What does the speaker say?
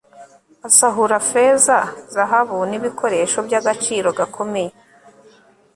asahura feza, zahabu n'ibikoresho by'agaciro gakomeye